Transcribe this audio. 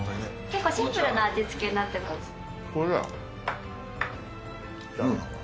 シンプルな味付けになってまうん。